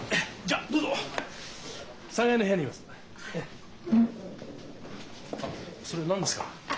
あっそれ何ですか？